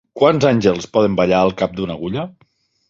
Quants àngels poden ballar al cap d'una agulla?